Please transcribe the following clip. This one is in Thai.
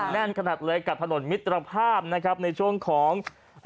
แน่นขนาดแลกับถนนมิตรภาพช่วงของ